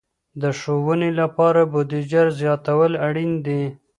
د ښوونې لپاره بودیجه زیاتول اړین دي.